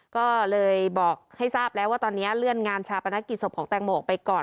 ก็เลยบอกให้ทราบแล้วว่าตอนนี้เลื่อนงานชาปนกิจศพของแตงโมออกไปก่อน